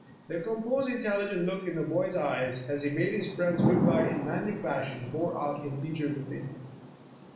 The composed, intelligent look in the boy's eyes, ns he bade his friends good bye in manly fashion, bore out his teacher's opinion.